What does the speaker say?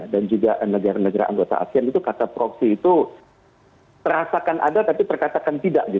dan juga negara negara anggota asean itu kata proksi itu terasakan ada tapi terkatakan tidak